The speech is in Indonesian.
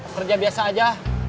kerja biasa aja